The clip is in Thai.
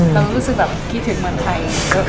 เรารู้สึกแบบคิดถึงเมืองไทย